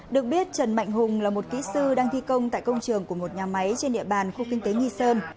được biết trần mạnh hùng là một kỹ sư đang thi công tại công trường của một nhà máy trên địa bàn khu kinh tế nghi sơn